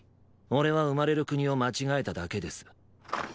俺は生まれる国を間違えただけです。